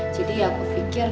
jadi ya aku pikir